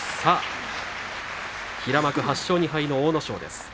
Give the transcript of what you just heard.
平幕８勝２敗の阿武咲です。